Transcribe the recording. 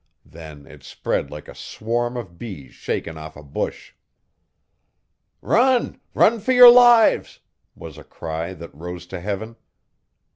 Then it spread like a swarm of bees shaken off a bush. 'Run! Run for your lives!' was a cry that rose to heaven.